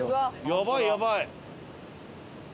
やばいやばい！